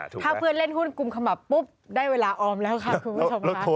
ถ้าเพื่อนเล่นหุ้นกลุ่มขมับปุ๊บได้เวลาออมแล้วค่ะคุณผู้ชมค่ะ